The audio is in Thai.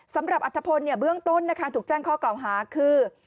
สำหรับอัตภพลเนี่ยเบื้องต้นนะคะถูกจ้างข้อกล่าวหาคือ